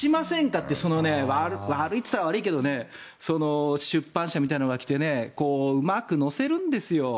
って悪いっていったら悪いけど出版社みたいなのが来てうまく乗せるんですよ。